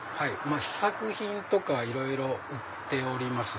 試作品とかいろいろ売っております。